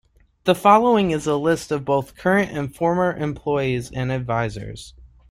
The following is a list of both current and former employees and advisors.